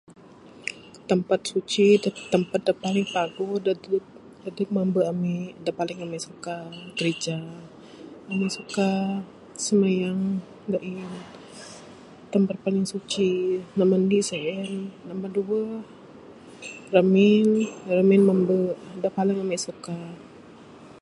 Tampat suci tampat da paling paguh dadeg mamba ami da paling Ami suka grija. Ami suka smayang da ain tempat paling suci nombor indi ne sien nombor duweh ramin mamba da paling ami suka.